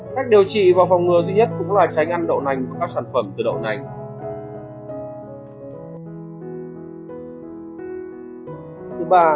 cách điều trị và phòng ngừa duy nhất cũng là tránh ăn đậu nành và các sản phẩm từ đậu nành